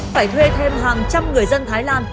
phải thuê thêm hàng trăm người dân thái lan